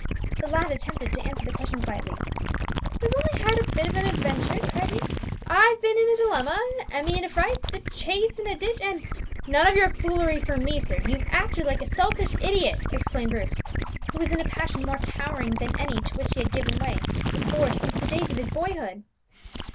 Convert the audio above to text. The lad attempted to answer the questions lightly. "We've only had a bit of an adventure," cried he. "I've been in a dilemma, Emmie in a fright, the chaise in a ditch, and " "None of your foolery for me, sir! You have acted like a selfish idiot!" exclaimed Bruce, who was in a passion more towering than any to which he had given way before since the days of his boyhood.